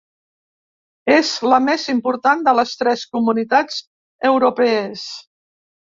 És la més important de les tres Comunitats Europees.